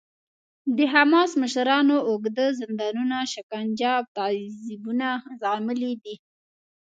د حماس مشرانو اوږده زندانونه، شکنجه او تعذیبونه زغملي دي.